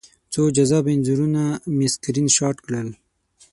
څو جذابه انځورونه مې سکرین شاټ کړل